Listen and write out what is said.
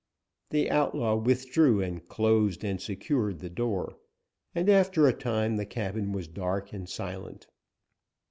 The outlaw withdrew and closed and secured the door, and after a time the cabin was dark and silent.